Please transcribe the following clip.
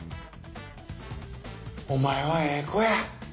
お前はええ子や。